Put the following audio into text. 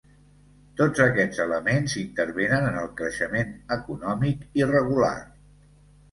Tots aquests elements intervenen en el creixement econòmic irregular.